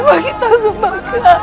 rumah kita kebakaran